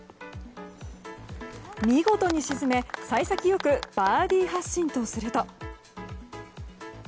見事に沈め、幸先良くバーディー発進とすると。